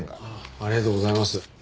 ありがとうございます。